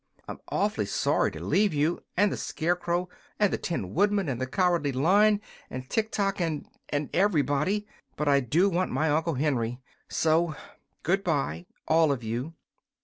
I'm aw'fly sorry to leave you and the Scarecrow and the Tin Woodman and the Cowardly Lion and Tiktok and and everybody but I do want my Uncle Henry! So good bye, all of you."